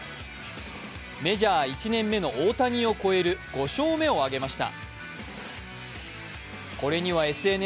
メジャー１年目の大谷を超える５勝目を挙げました。